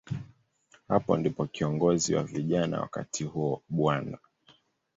Hapo ndipo kiongozi wa vijana wakati huo, Bw.